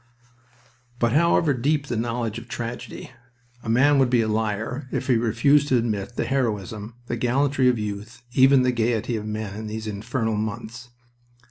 But however deep the knowledge of tragedy, a man would be a liar if he refused to admit the heroism, the gallantry of youth, even the gaiety of men in these infernal months.